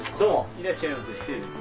いらっしゃいませ。